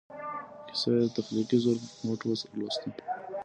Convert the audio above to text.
کیسه یې د تخلیقي زور په مټ ولوسته.